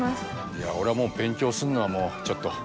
いや俺はもう勉強するのはもうちょっと。